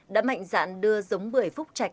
đã mạnh dạn đưa giống bưởi phúc trạch